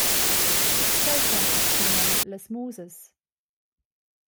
Tgei fan atgnamein las musas?